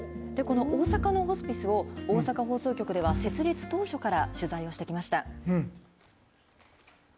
この大阪のホスピスを大阪放送局では、設立当初から取材をしてきました。